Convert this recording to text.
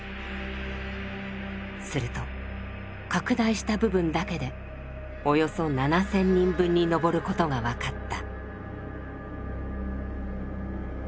すると拡大した部分だけでおよそ７，０００人分に上ることが分かった。